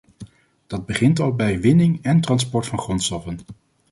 Dat begint al bij winning en transport van grondstoffen.